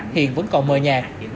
hiện vẫn còn mờ nhạt